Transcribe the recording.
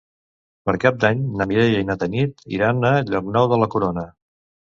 Per Cap d'Any na Mireia i na Tanit iran a Llocnou de la Corona.